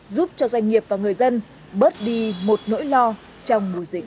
giúp cho doanh nghiệp và người dân bớt đi một nỗi lo trong mùa dịch